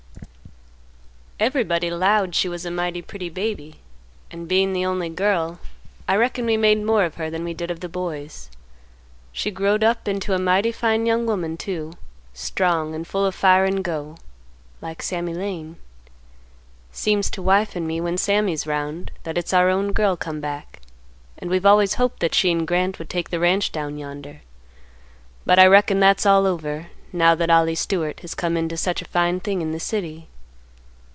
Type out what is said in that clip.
"Everybody 'lowed she was a mighty pretty baby, and, bein' the only girl, I reckon we made more of her than we did of the boys. She growed up into a mighty fine young woman too; strong, and full of fire and go, like Sammy Lane. Seems to wife and me when Sammy's 'round that it's our own girl come back and we've always hoped that she and Grant would take the ranch down yonder; but I reckon that's all over, now that Ollie Stewart has come into such a fine thing in the city.